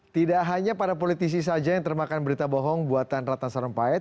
tidak hanya para politisi saja yang termakan berita bohong buatan ratna sarumpait